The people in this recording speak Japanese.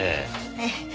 ええ。